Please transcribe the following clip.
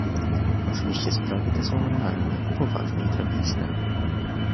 Oczywiście sprawy te są realne, poważne i tragiczne